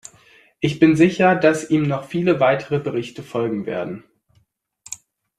Ich bin sicher, dass ihm noch viele weitere Berichte folgen werden.